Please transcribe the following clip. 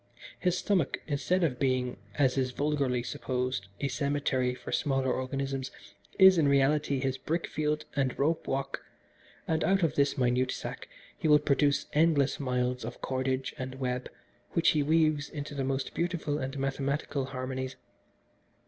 His stomach, instead of being, as is vulgarly supposed, a cemetery for smaller organisms, is in reality his brick field and rope walk, and out of this minute sack he will produce endless miles of cordage and web which he weaves into the most beautiful and mathematical harmonies.